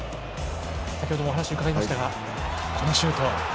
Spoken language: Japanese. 先ほども、お話を伺いましたがこのシュート。